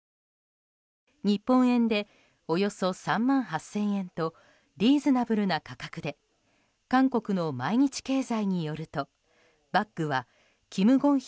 日本円でおよそ３万８０００円とリーズナブルな価格で韓国の毎日経済によるとバッグはキム・ゴンヒ